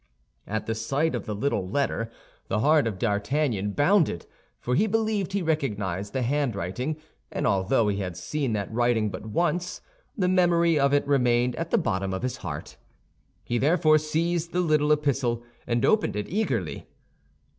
At the sight of the little letter the heart of D'Artagnan bounded, for he believed he recognized the handwriting, and although he had seen that writing but once, the memory of it remained at the bottom of his heart. He therefore seized the little epistle, and opened it eagerly.